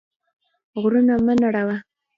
غرونه مه نړوه.